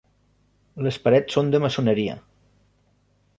Les parets són de maçoneria.